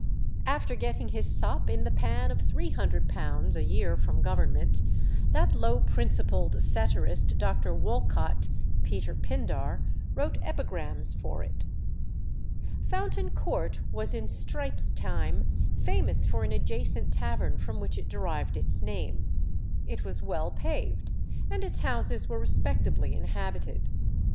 After getting his sop in the pan of £300 a year from Government, that low principled satirist, Dr. Wolcot (Peter Pindar), wrote epigrams for it. Fountain Court was in Strype's time famous for an adjacent tavern from which it derived its name. It was well paved, and its houses were respectably inhabited.